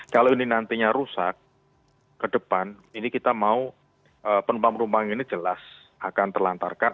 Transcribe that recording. kalau ini nantinya rusak ke depan ini kita mau penumpang penumpang ini jelas akan terlantarkan